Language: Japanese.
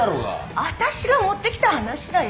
あたしが持ってきた話だよ！